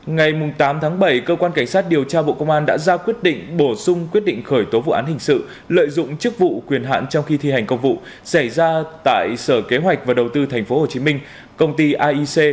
ngày tám tháng bảy cơ quan cảnh sát điều tra bộ công an đã ra quyết định bổ sung quyết định khởi tố vụ án hình sự lợi dụng chức vụ quyền hạn trong khi thi hành công vụ xảy ra tại sở kế hoạch và đầu tư tp hcm công ty aic